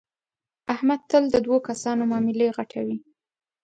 احمد تل د دو کسانو معاملې غټوي.